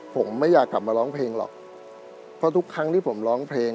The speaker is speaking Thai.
ผมไม่อยากกลับมาร้องเพลงหรอกเพราะทุกครั้งที่ผมร้องเพลง